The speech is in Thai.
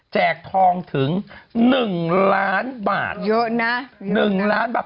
ทองถึง๑ล้านบาทเยอะนะ๑ล้านบาท